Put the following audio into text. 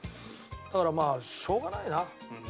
だからまあしょうがないな多分。